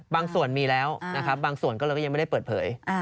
บางส่วนมีแล้วนะครับบางส่วนก็เลยก็ยังไม่ได้เปิดเผย